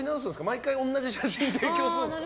毎回同じ写真提供するんですか？